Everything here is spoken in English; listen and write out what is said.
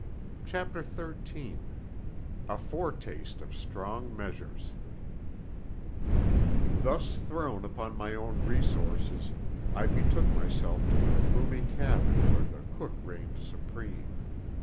CHAPTER XIII—A FORETASTE OF STRONG MEASURES Thus thrown upon my own resources, I betook myself to the roomy cabin where the cook reigned supreme.